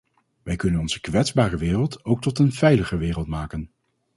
Wij kunnen onze kwetsbare wereld ook tot een veiliger wereld maken.